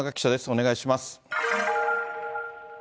お願いします。